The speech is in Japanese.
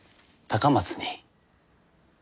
高松に？